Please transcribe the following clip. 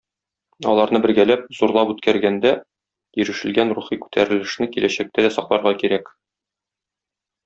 Аларны бергәләп, зурлап үткәргәндә ирешелгән рухи күтәрелешне киләчәктә дә сакларга кирәк.